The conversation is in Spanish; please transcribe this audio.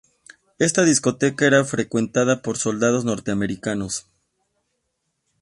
Esta discoteca era frecuentada por soldados norteamericanos.